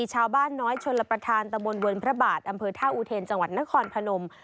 ชาวบ้านน้อยชนรับประทานตะบนเวิร์นพระบาทอำเภอท่าอุเทนจังหวัดนครพนม